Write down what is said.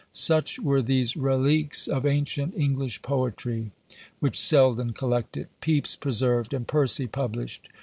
Such were these "Reliques of Ancient English Poetry," which Selden collected, Pepys preserved, and Percy published.